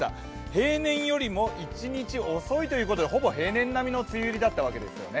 平年よりも１日遅いということでほぼ平年並みの梅雨入りだったわけですよね。